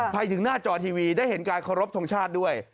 ไปถึงหน้าจอทีวีได้เห็นการเคารพทงชาติด้วย